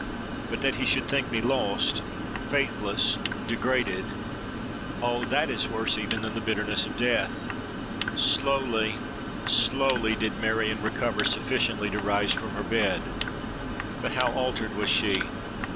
But that he should think me lost—faithless—degraded,—oh! that is worse than even the bitterness of death!' "Slowly—slowly did Marion recover sufficiently to rise from her bed: but how altered was she!